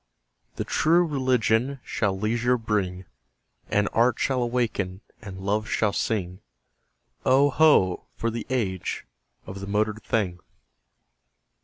The True Religion shall leisure bring; And Art shall awaken and Love shall sing: Oh, ho! for the age of the motored thing!